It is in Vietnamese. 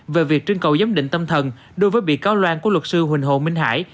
về việc trưng cầu giám định tâm thần đối với bị cáo loan của luật sư huỳnh hồ minh hải